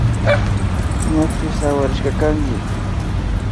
Ñachu sawarishka kanki